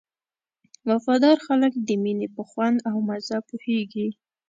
وفاداره خلک د مینې په خوند او مزه پوهېږي.